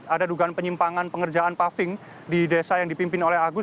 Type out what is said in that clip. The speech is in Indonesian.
ada dugaan penyimpangan pengerjaan paving di desa yang dipimpin oleh agus